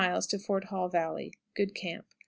Fort Hall Valley. Good camp.